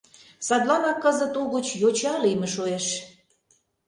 Садланак кызыт угыч йоча лийме шуэш.